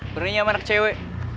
berninya sama anak cewe